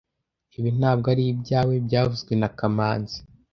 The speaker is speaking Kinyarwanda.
Ibi ntabwo ari ibyawe byavuzwe na kamanzi